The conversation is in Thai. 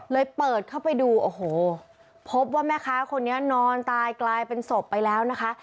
เปิดเข้าไปดูโอ้โหพบว่าแม่ค้าคนนี้นอนตายกลายเป็นศพไปแล้วนะคะ